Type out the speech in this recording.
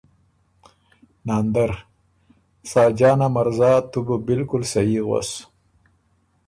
ناندر ـــ”ساجانا مرزا تُو بو بالکل سهي غوَس